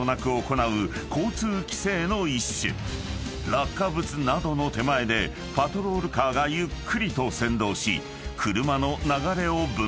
［落下物などの手前でパトロールカーがゆっくりと先導し車の流れを分断］